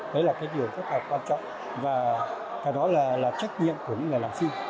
đấy là cái điều rất là quan trọng và cái đó là trách nhiệm của những người làm phim